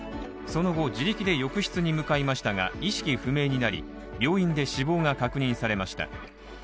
その後、自力で浴室に向かいましたが意識不明になり病院で死亡が確認されました。